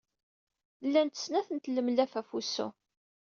Llant snat n tlemlaf ɣef wusu.